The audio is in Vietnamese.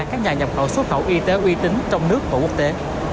các nhà nhập khẩu xuất khẩu y tế uy tín trong nước và quốc tế